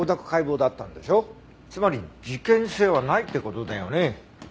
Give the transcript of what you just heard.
つまり事件性はないって事だよね。